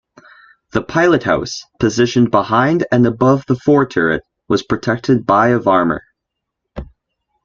The pilothouse, positioned behind and above the fore turret, was protected by of armor.